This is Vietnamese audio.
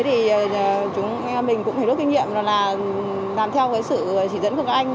thì chúng em mình cũng có kinh nghiệm là làm theo sự chỉ dẫn của các anh